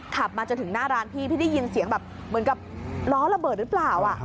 ขับมาจนถึงหน้าร้านพี่พี่ได้ยินเสียงแบบเหมือนกับล้อระเบิดหรือเปล่า